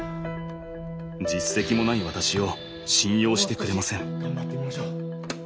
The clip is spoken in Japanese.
実績もない私を信用してくれません。